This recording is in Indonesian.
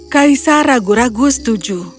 kaisar ragu ragu setuju